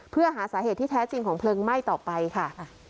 เพื่อหาสาเหตุที่แท้จริงของเพลิงไหม้ต่อไปค่ะ